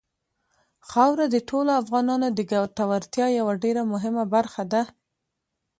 خاوره د ټولو افغانانو د ګټورتیا یوه ډېره مهمه برخه ده.